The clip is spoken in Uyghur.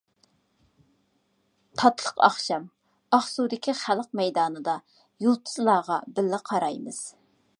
تاتلىق ئاخشام، ئاقسۇدىكى خەلق مەيدانىدا، يۇلتۇزلارغا بىللە قارايمىز.